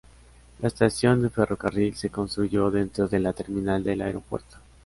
La estación de ferrocarril se construyó dentro de la terminal del aeropuerto.